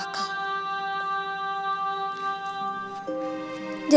aku akan selalu menunggumu pulang kakak